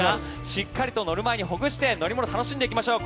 しっかりと乗る前にほぐして乗り物楽しんでいきましょう。